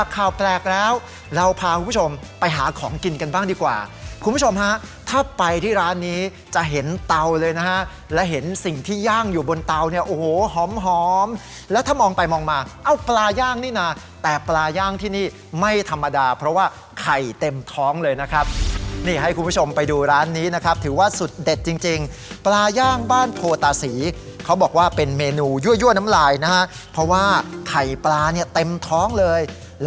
ข่าวแปลกแล้วเราพาคุณผู้ชมไปหาของกินกันบ้างดีกว่าคุณผู้ชมฮะถ้าไปที่ร้านนี้จะเห็นเตาเลยนะฮะแล้วเห็นสิ่งที่ย่างอยู่บนเตาเนี้ยโอ้โหหอมหอมแล้วถ้ามองไปมองมาเอาปลาย่างนี่น่ะแต่ปลาย่างที่นี่ไม่ธรรมดาเพราะว่าไข่เต็มท้องเลยนะครับนี่ให้คุณผู้ชมไปดูร้านนี้นะครับถือว่าสุดเด็ดจริงจริงปล